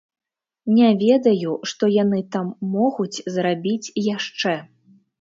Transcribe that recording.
Не ведаю, што яны там могуць зрабіць яшчэ.